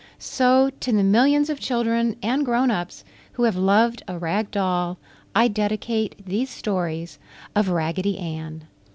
So, to the millions of children and grown ups who have loved a Rag Doll, I dedicate these stories of Raggedy Ann.